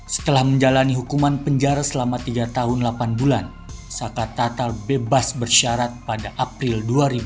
setelah menjalani hukuman penjara selama tiga tahun delapan bulan saka tatal bebas bersyarat pada april dua ribu dua puluh